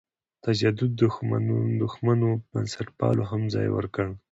تجدد دښمنو بنسټپالو هم ځای ورکړ.